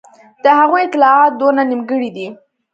د هغوی اطلاعات دونه نیمګړي دي.